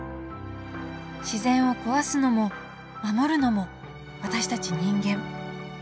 自然を壊すのも守るのも私たち人間。